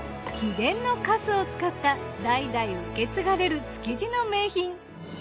秘伝の粕を使った代々受け継がれる築地の名品。